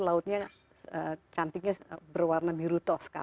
lautnya cantiknya berwarna biru toks